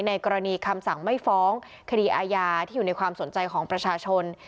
กรณีคำสั่งไม่ฟ้องคดีอาญาที่อยู่ในความสนใจของประชาชน